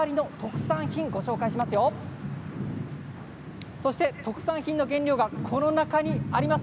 特産品の原料がこの中にあります。